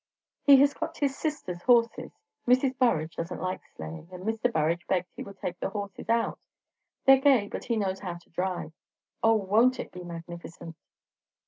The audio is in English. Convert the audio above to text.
He has got his sister's horses Mrs. Burrage don't like sleighing and Mr. Burrage begged he would take the horses out. They're gay, but he knows how to drive. O, won't it be magnificent?"